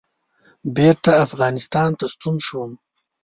بېرته افغانستان ته ستون شوم.